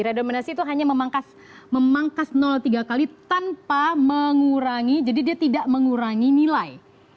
redominasi itu hanya memangkas tiga kali tanpa mengurangi jadi dia tidak mengurangi nilai